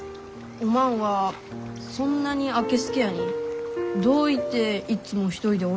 おまんはそんなにあけすけやにどういていっつも一人でおるがじゃ？